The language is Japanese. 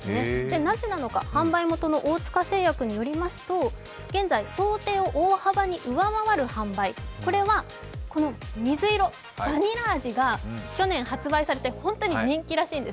なぜなのか、販売元の大塚製薬によりますと現在、想定を大幅に上回る販売、これは水色、バニラ味が去年発売されて本当に人気らしいんです。